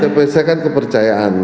ktp saya kan kepercayaan